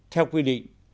theo quy định